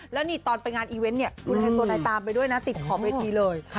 แล้วนี่ตอนไปงานอีเว่นตามไปด้วยนะติดขอบเวทีเลย